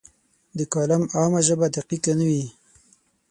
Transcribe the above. د کالم عامه ژبه دقیقه نه وي.